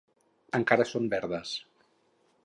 Encara són verdes.